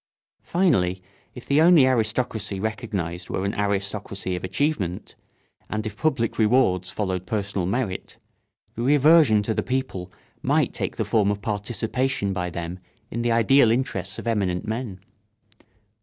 Finally, if the only aristocracy recognised were an aristocracy of achievement, and if public rewards followed personal merit, the reversion to the people might take the form of participation by them in the ideal interests of eminent men.